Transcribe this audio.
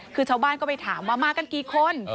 คือชาวบ้านก็ไปถามว่ามากันกี่คน